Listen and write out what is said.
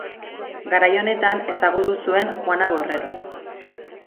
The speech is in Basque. Garai honetan ezagutu zuen Juana Borrero.